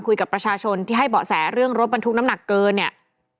คุยกับประชาชนที่ให้เบาะแสเรื่องรถบรรทุกน้ำหนักเกินเนี่ย